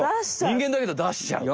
人間だけど出しちゃう。